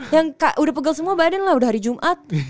yang udah pegel semua badan lah udah hari jumat